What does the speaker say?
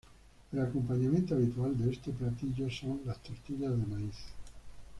El acompañamiento habitual de este platillo son las tortillas de maíz.